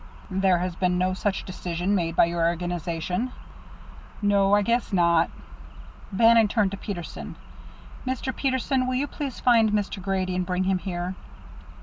"There has been no such decision made by your organization?" "No, I guess not." Bannon turned to Peterson. "Mr. Peterson, will you please find Mr. Grady and bring him here."